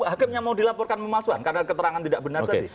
hakimnya mau dilaporkan memalsuan karena keterangan tidak benar tadi